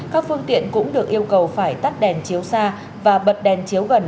các phương tiện cũng được yêu cầu phải tắt đèn chiếu xa và bật đèn chiếu gần